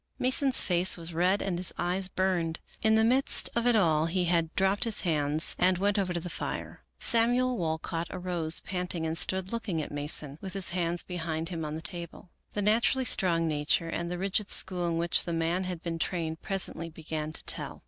Mason's face was red, and his eyes burned. In the midst of it all he dropped his hands and went over to the fire. Samuel Walcott arose, panting, and stood looking at Mason, 72 Melville Davisson Post with his hands behind him on the table. The naturally strong nature and the rigid school in which the man had been trained presently began to tell.